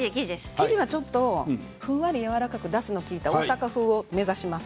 生地はちょっとふんわりやわらかくだしの利いた大阪風を目指します。